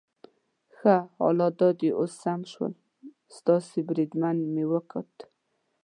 ښه، حالات دا دي اوس سم شول، ستاسي بریدمن مې وکوت.